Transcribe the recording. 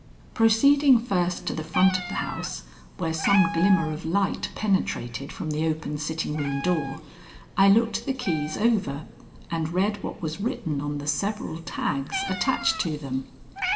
Proceeding first to the front of the house, where some glimmer of light penetrated from the open sitting room door, I looked the keys over and read what was written on the several tags attached to them.